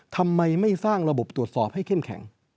ทำไมไม่สร้างระบบตรวจสอบให้เข้มแข็ง